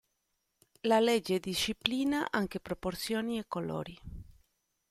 La legge disciplina anche proporzioni e colori.